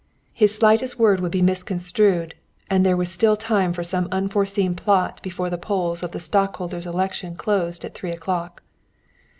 His slightest word would be misconstrued, and there was still time for some unforeseen plot before the polls of the stockholders' election closed at three o'clock.